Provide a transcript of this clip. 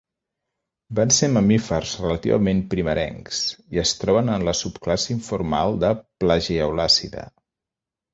Van ser mamífers relativament primerencs i es troben en la subclasse informal de "Plagiaulacida".